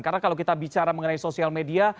karena kalau kita bicara mengenai sosial media